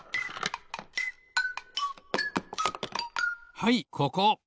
はいここ。